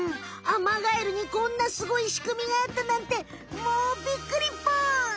アマガエルにこんなすごいしくみがあったなんてもうビックリポン！